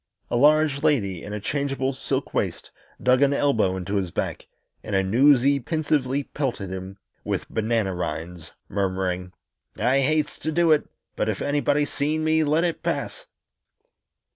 A large lady in a changeable silk waist dug an elbow into his back, and a newsy pensively pelted him with banana rinds, murmuring, "I hates to do it but if anybody seen me let it pass!"